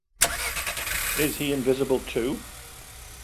Is he invisible too?